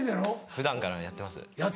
普段からやってます。